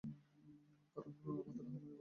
কারণ ওরা আমাদেরকে আহাম্মক বানিয়ে রাখতে চায়।